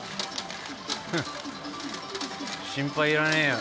フッ心配いらねえよ。